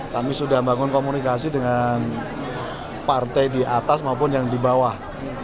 kami sudah membangun komunikasi dengan partai di atas maupun yang di bawah